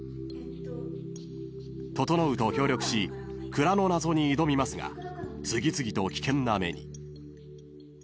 ［整と協力し蔵の謎に挑みますが次々と危険な目に］